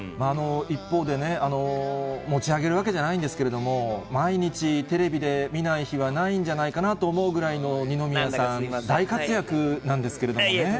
一方でね、持ち上げるわけじゃないんですけど、毎日テレビで見ない日はないんじゃないかなと思うぐらいの二宮さん、大活躍なんですけれどもね。